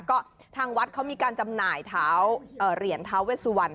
ก็ทางวัดเขามีการจำหน่ายเหรียญท้าเวสวรรณ